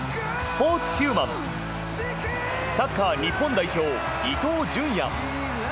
サッカー日本代表、伊東純也。